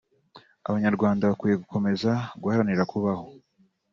Abanyarwanda bakwiye gukomeza guharanira kubaho